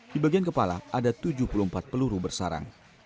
di bagian kepala ada tujuh puluh empat peluru bersarang